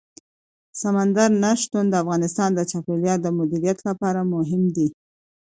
سمندر نه شتون د افغانستان د چاپیریال د مدیریت لپاره مهم دي.